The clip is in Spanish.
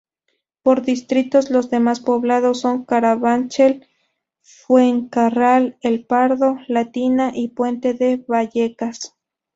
Por distritos, los más poblados son Carabanchel, Fuencarral-El Pardo, Latina y Puente de Vallecas.